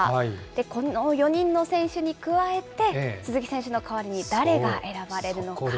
この４人の選手に加えて、鈴木選手の代わりに誰が選ばれるのか。